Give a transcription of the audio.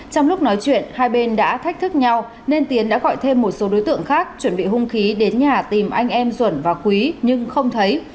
trong lúc nói chuyện hai bên đã thách thức nhau nên tiến đã gọi thêm một số đối tượng khác chuẩn bị hung khí đến nhà tìm anh em duẩn và quý nhưng không thấy